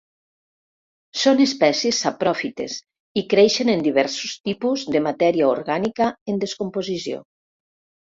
Són espècies sapròfites i creixen en diversos tipus de matèria orgànica en descomposició.